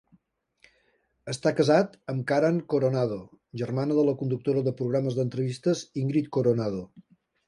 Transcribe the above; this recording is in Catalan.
Està casat amb Karen Coronado, germana de la conductora de programes d'entrevistes Ingrid Coronado.